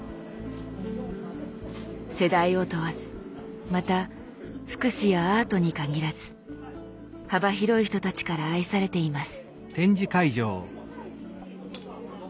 世代を問わずまた福祉やアートに限らず幅広い人たちから愛されています。